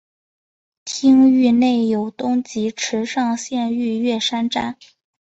町域内有东急池上线御岳山站。